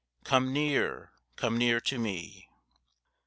Come near, come near to me!